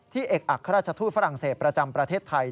เอกอัครราชทูตฝรั่งเศสประจำประเทศไทย